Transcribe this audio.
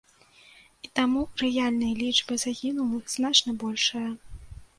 І таму рэальныя лічбы загінулых значна большыя.